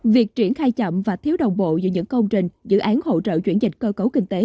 việc triển khai chậm và thiếu đồng bộ giữa những công trình dự án hỗ trợ chuyển dịch cơ cấu kinh tế